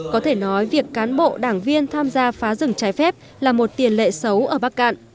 có thể nói việc cán bộ đảng viên tham gia phá rừng trái phép là một tiền lệ xấu ở bắc cạn